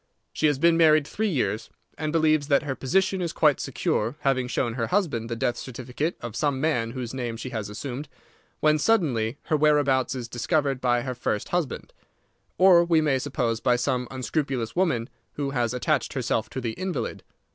She has been married three years, and believes that her position is quite secure, having shown her husband the death certificate of some man whose name she has assumed, when suddenly her whereabouts is discovered by her first husband; or, we may suppose, by some unscrupulous woman who has attached herself to the invalid.